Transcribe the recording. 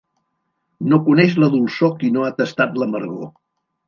No coneix la dolçor qui no ha tastat l'amargor.